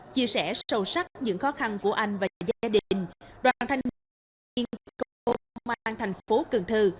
chia sẻ sâu sắc những khó khăn của anh và gia đình đoàn thanh niên thanh niên công an thành phố cần thơ